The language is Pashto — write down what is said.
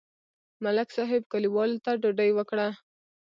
ملک صاحب کلیوالو ته ډوډۍ وکړه.